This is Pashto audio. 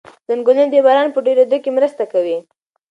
ځنګلونه د باران په ډېرېدو کې مرسته کوي.